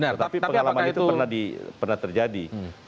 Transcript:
tetapi pengalaman itu pernah terjadi